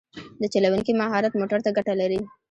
د چلوونکي مهارت موټر ته ګټه لري.